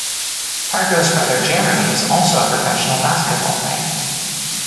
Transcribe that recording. Pargo's brother, Jeremy, is also a professional basketball player.